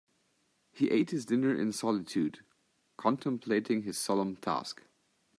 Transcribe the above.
He ate his dinner in solitude, contemplating his solemn task.